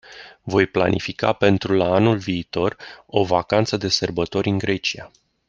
Voi planifica pentru la anul viitor o vacanță de sărbători în Grecia.